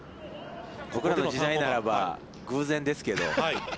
僕らの時代ならば、偶然ですけど。